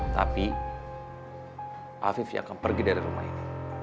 tapi afif yang akan pergi dari rumah ini